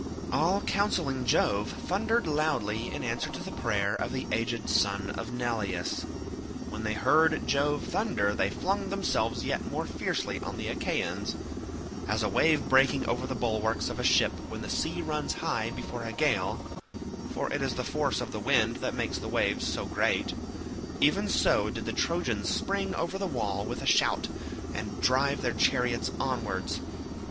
All counselling Jove thundered loudly in answer to the prayer of the aged son of Neleus. When they heard Jove thunder they flung themselves yet more fiercely on the Achaeans. As a wave breaking over the bulwarks of a ship when the sea runs high before a gale—for it is the force of the wind that makes the waves so great—even so did the Trojans spring over the wall with a shout, and drive their chariots onwards.